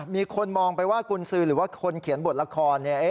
มีคนมองไปว่ากุญสือหรือว่าคนเขียนบทละครเนี่ย